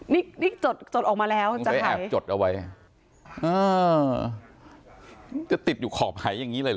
นี่นี่จดจดออกมาแล้วจะหายจดเอาไว้เออจะติดอยู่ขอบหายอย่างงี้เลยเหรอ